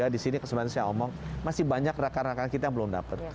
di sini kesempatan saya omong masih banyak rakan rakan kita yang belum dapat